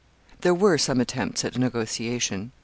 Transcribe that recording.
] There were some attempts at negotiation.